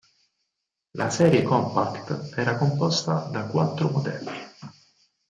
La serie "Compact" era composta da quattro modelli.